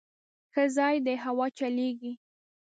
_ښه ځای دی، هوا چلېږي.